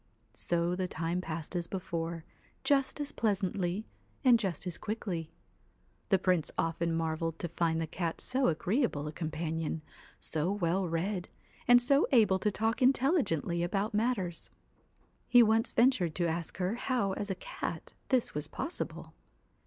So the time passed as before, just as pleasantly and just as quickly. The Prince often marvelled to find the cat so agreeable a companion, so well read, and so able to talk intelligently about matters. He once ventured to ask her how as a cat this was possible.